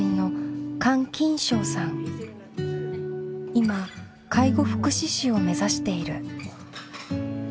今介護福祉士を目指している。